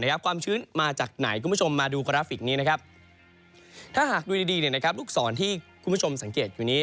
ความชื้นมาจากไหนคุณผู้ชมมาดูกราฟิกนี้นะครับถ้าหากดูดีลูกศรที่คุณผู้ชมสังเกตอยู่นี้